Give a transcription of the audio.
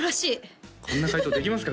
こんな回答できますか？